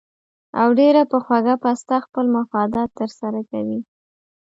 او ډېره پۀ خوږه پسته خپل مفادات تر سره کوي